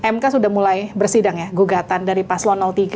mk sudah mulai bersidang ya gugatan dari paslon tiga